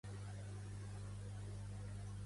Faig un badall al cinema i tothom comença a badallar